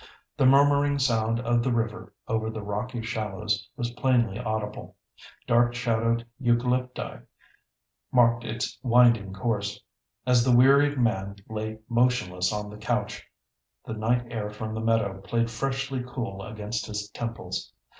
The murmuring sound of the river over the rocky shallows was plainly audible. Dark shadowed eucalypti marked its winding course. As the wearied man lay motionless on the couch, the night air from the meadow played freshly cool against his temples.